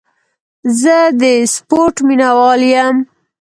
زه د سپورټ مینهوال یم.